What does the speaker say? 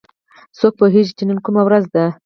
څوک پوهیږي چې نن کومه ورځ ده